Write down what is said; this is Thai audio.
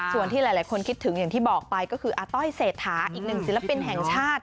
ส่วนที่หลายคนคิดถึงอย่างที่บอกไปก็คืออาต้อยเศรษฐาอีกหนึ่งศิลปินแห่งชาติ